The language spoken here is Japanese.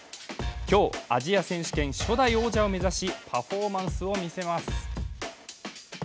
今日ねアジア選手権初代王者を目指しパフォーマンスを見せます。